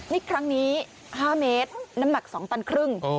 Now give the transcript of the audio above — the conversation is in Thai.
นี่ครั้งนี้๕เมตรน้ำหนัก๒ตันครึ่ง